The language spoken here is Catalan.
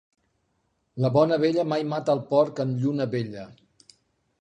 La bona vella mai mata el porc en lluna vella.